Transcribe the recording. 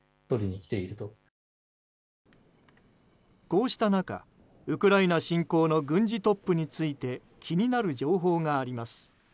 こうした中、ウクライナ侵攻の軍事トップについて気になる情報があります。